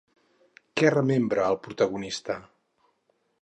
Què remembra el protagonista?